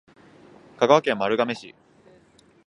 香川県丸亀市